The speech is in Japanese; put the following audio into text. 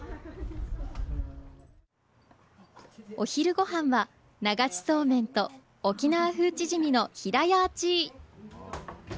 お昼ご飯は流しそうめんと沖縄風チヂミのひらやーちー。